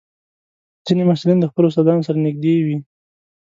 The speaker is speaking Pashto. ځینې محصلین د خپلو استادانو سره نږدې وي.